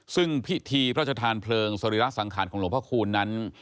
ซึ่งพิธีพระอาจารย์เพลิงสริราชสังขารของหลวงพ่อคูณนั้น